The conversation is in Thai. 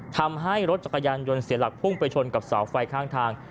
ทำให้รถจักรยานยนต์เสียหลักพุ่งไปชนกับเสาไฟข้างทาง